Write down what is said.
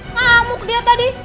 mamuk dia tadi